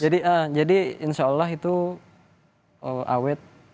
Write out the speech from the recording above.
insya allah itu awet